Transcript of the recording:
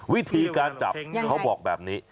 วิธีการจับเขาบอกแบบนี้